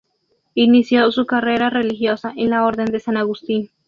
Inició su carrera religiosa en la Orden de San Agustín.